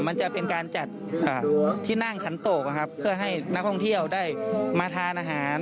มันจะเป็นการจัดที่นั่งขันโตกเพื่อให้นักท่องเที่ยวได้มาทานอาหาร